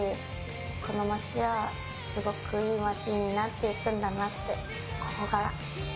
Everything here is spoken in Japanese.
この街はすごくいい街になっていくんだなって、ここから。